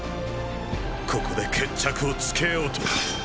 ここで決着をつけようと。